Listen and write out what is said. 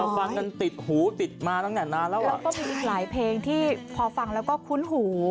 ฟังกันติดหูติดมาตั้งแต่นานแล้วแล้วก็มีอีกหลายเพลงที่พอฟังแล้วก็คุ้นหู